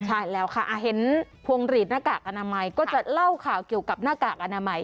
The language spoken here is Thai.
ใช่แล้วค่ะเห็นพวงหลีดหน้ากากอนามัยก็จะเล่าข่าวเกี่ยวกับหน้ากากอนามัย